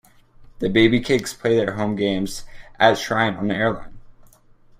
The Baby Cakes play their home games at Shrine on Airline.